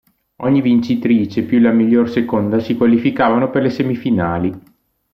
Ogni vincitrice più la miglior seconda si qualificavano per le semifinali.